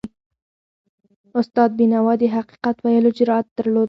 استاد بینوا د حقیقت ویلو جرأت درلود.